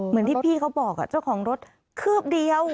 เหมือนที่พี่เขาบอกเจ้าของรถคืบเดียว